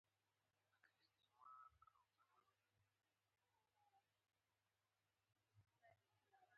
زما اقتصادي حالت ډېر ښه نه دی